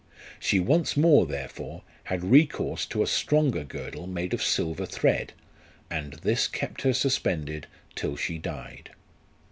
She once more, therefore, had recourse to a stronger girdle made of silver thread, and this kept her suspended till she died.